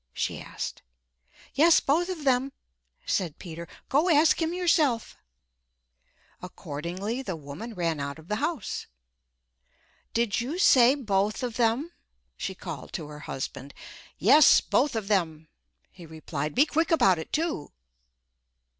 she asked. "Yes, both of them," said Peter. "Go ask him yourself." Accordingly, the woman ran out of the house. "Did you say both of them?" she called to her husband. "Yes, both of them," he replied. "Be quick about it, too."